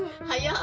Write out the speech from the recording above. はい！